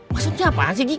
maksudnya apaan sih gik